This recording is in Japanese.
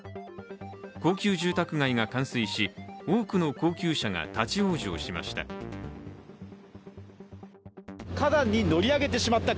高級住宅街が冠水し多くの高級車が立往生しました。